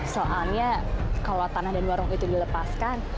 soalnya kalau tanah dan warung itu dilepaskan